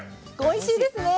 おいしいですね！